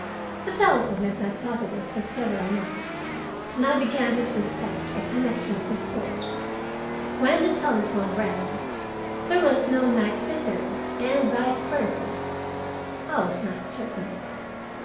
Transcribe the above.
The telephone had not bothered us for several nights, and I began to suspect a connection of this sort: when the telephone rang, there was no night visitor, and vice versa. I was not certain.